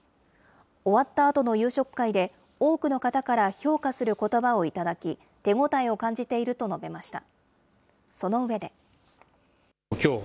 終わったあとの夕食会で多くの方から評価することばを頂き、手応えを感じていると述べました。